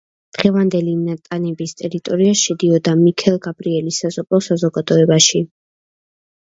დღევანდელი ნატანების ტერიტორია შედიოდა მიქელგაბრიელის სასოფლო საზოგადოებაში.